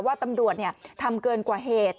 ว่าตำรวจทำเกินกว่าเหตุ